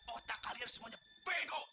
otak kalian semuanya bego